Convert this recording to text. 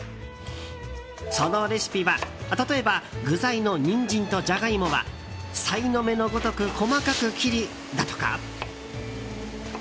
そのレシピは、例えば具材のニンジンとジャガイモはさいの目のごとく細かく切りだとか。